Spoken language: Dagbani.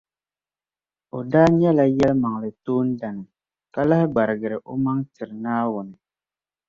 O daa nyɛla yɛlimaŋli toondana, ka lahi gbarigiri o maŋa tiri Naawuni.